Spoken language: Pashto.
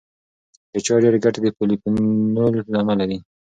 د چای ډېری ګټې د پولیفینول له امله دي.